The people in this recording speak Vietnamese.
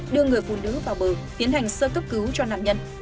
đưa người phụ nữ vào bờ tiến hành sơ cấp cứu cho nạn nhân